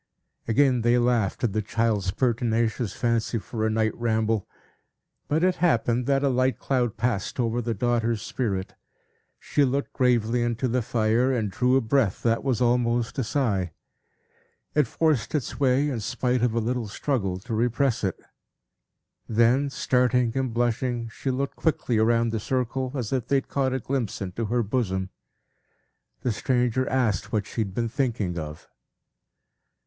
Again they laughed at the child's pertinacious fancy for a night ramble. But it happened, that a light cloud passed over the daughter's spirit; she looked gravely into the fire, and drew a breath that was almost a sigh. It forced its way, in spite of a little struggle to repress it. Then starting and blushing, she looked quickly round the circle, as if they had caught a glimpse into her bosom. The stranger asked what she had been thinking of.